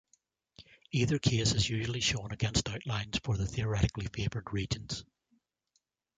Either case is usually shown against outlines for the theoretically favored regions.